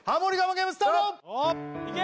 ゲームスタート・いけ！